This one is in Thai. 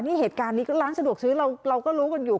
นี่เหตุการณ์นี้ก็ร้านสะดวกซื้อเราก็รู้กันอยู่